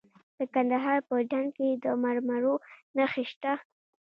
د کندهار په ډنډ کې د مرمرو نښې شته.